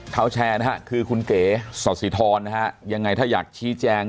เขาแชร์นะฮะคือคุณเก๋สอสิทรนะฮะยังไงถ้าอยากชี้แจง